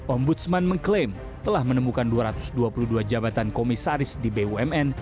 ombudsman mengklaim telah menemukan dua ratus dua puluh dua jabatan komisaris di bumn